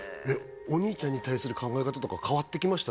お兄ちゃんに対する考え方とか変わってきました？